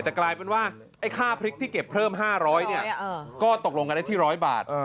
แต่กลายเป็นว่าไอ้ค่าพริกที่เก็บเพิ่ม๕๐๐เนี่ยก็ตกลงกันได้ที่๑๐๐บาท